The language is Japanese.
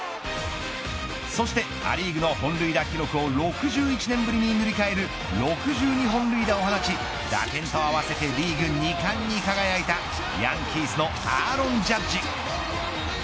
そしてア・リーグの本塁打記録を６１年ぶりに塗り替える６２本塁打を放ち打点と合わせてリーグ二冠に輝いたヤンキースのアーロン・ジャッジ。